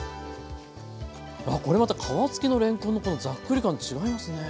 これまた皮付きのれんこんのこのザックリ感違いますね。